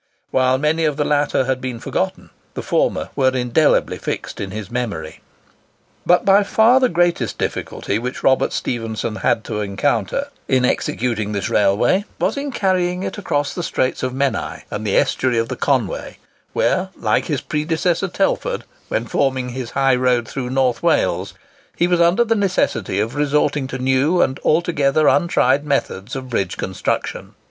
Whilst many of the latter had been forgotten, the former were indelibly fixed in his memory. But by far the greatest difficulty which Robert Stephenson had to encounter in executing this railway, was in carrying it across the Straits of Menai and the estuary of the Conway, where, like his predecessor Telford when forming his high road through North Wales, he was under the necessity of resorting to new and altogether untried methods of bridge construction.